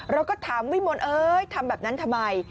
เราก็ถามวิมลเอ้ยทำแบบนั้นทำไม